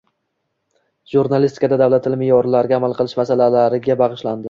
Jurnalistikada davlat tili me’yorlariga amal qilish masalalariga bag‘ishlandi